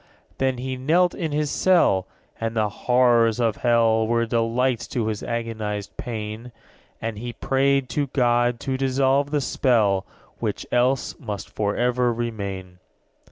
7. Then he knelt in his cell: And the horrors of hell Were delights to his agonized pain, And he prayed to God to dissolve the spell, _40 Which else must for ever remain.